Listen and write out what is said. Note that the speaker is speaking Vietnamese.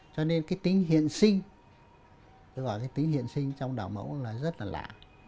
cho nên cái tính hiện sinh tính hiện sinh trong đạo mẫu là rất là lạ